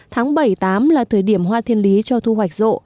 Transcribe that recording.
tháng bảy tám là thời điểm hoa thiên lý cho thu hoạch rộ